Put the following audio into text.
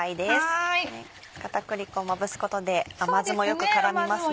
片栗粉をまぶすことで甘酢もよく絡みますね。